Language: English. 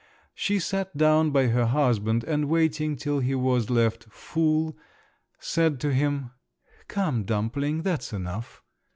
She sat down by her husband, and, waiting till he was left "fool," said to him, "Come, dumpling, that's enough!"